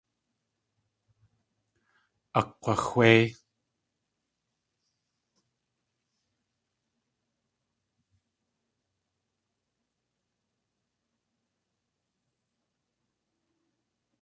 Akg̲waxwéi.